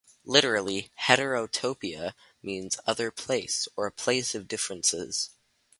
Literally, heterotopia means "other place" or "a place of differences".